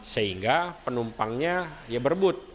sehingga penumpangnya berbut